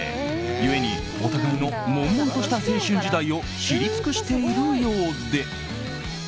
ゆえにお互いの悶々とした青春時代を知り尽くしているようで。